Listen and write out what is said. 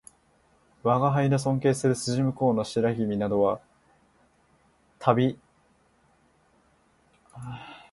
吾輩の尊敬する筋向こうの白君などは会う度毎に人間ほど不人情なものはないと言っておらるる